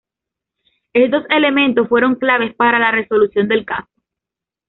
Estos elementos fueron claves para la resolución del caso.